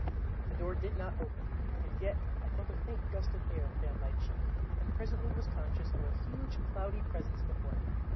The door did not open, and yet I felt a faint gust of air fan my cheek, and presently was conscious of a huge, cloudy presence before me.